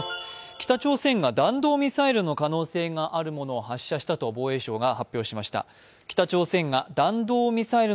北朝鮮が弾道ミサイルの可能性があるものを発射したと防衛省が発表しました。